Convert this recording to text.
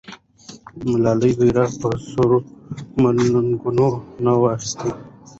ملالۍ بیرغ په سرو منګولو نه و اخیستی.